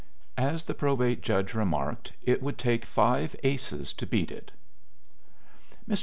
As the probate judge remarked, it would take five aces to beat it. Mr.